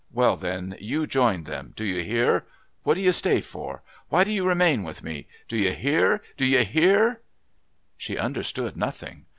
Well, then, you join them. Do you hear? What do you stay for? Why do you remain with me? Do you hear? Do you hear?" She understood nothing.